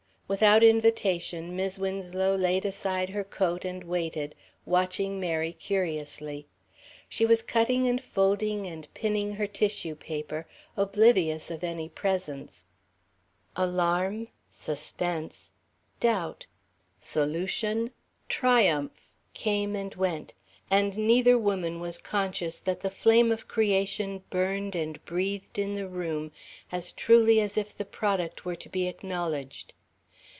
Without invitation, Mis' Winslow laid aside her coat and waited, watching Mary curiously. She was cutting and folding and pinning her tissue paper, oblivious of any presence. Alarm, suspense, doubt, solution, triumph, came and went, and neither woman was conscious that the flame of creation burned and breathed in the room as truly as if the product were to be acknowledged.